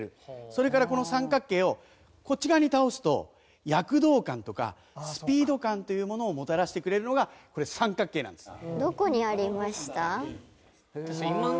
それからこの三角形をこっち側に倒すと躍動感とかスピード感というものをもたらしてくれるのがこれ三角形なんです。